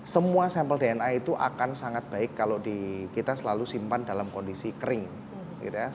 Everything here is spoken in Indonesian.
semua sampel dna itu akan sangat baik kalau kita selalu simpan dalam kondisi kering gitu ya